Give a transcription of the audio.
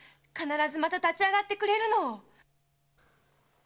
必ずまた立ち上がってくれるのを！